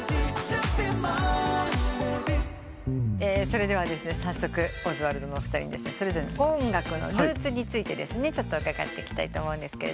それでは早速オズワルドのお二人にそれぞれ音楽のルーツについて伺っていきたいと思います。